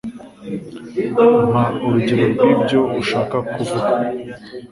Mpa urugero rwibyo ushaka kuvuga.